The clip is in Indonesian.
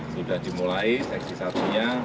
sudah dimulai seksi satunya